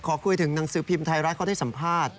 คุยถึงหนังสือพิมพ์ไทยรัฐเขาได้สัมภาษณ์